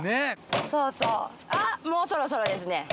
そうそうあっもうそろそろですね。